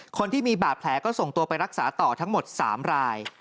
คนที่มีบาดแผลก็ส่งตัวไปรักษาต่อทั้งหมด๓ราย